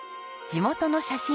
地元の写真